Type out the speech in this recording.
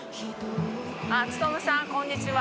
あっ努さんこんにちは。